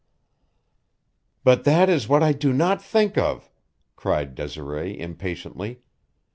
"But that is what I do not think of!" cried Desiree impatiently.